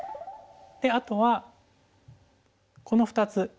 であとはこの２つ。